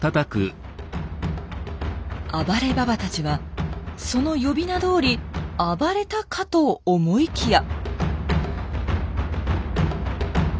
暴れババたちはその呼び名どおり暴れたかと思いきや。